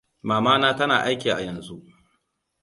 Mamana tana aiki a yanzu.